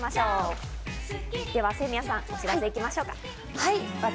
では清宮さん、お知らせ行きましょうか。